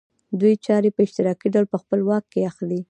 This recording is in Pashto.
دوی چارې په اشتراکي ډول په خپل واک کې اخلي